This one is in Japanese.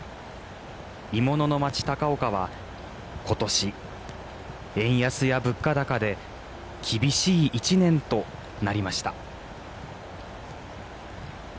鋳物の町・高岡は今年、円安や物価高で厳しい一年となりました。